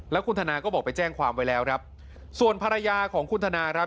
แล้วคุณธนาก็บอกไปแจ้งความไว้แล้วครับส่วนภรรยาของคุณธนาครับ